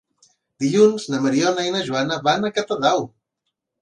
Dilluns na Mariona i na Joana van a Catadau.